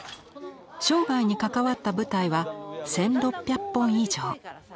生涯に関わった舞台は１，６００本以上。